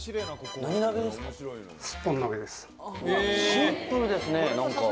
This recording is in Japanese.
シンプルですね、なんか。